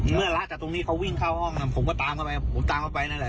ละจากตรงนี้เขาวิ่งเข้าห้องผมก็ตามเข้าไปผมตามเขาไปนั่นแหละ